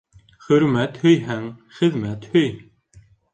Хөрмәт һөйһәң, хеҙмәт һөй.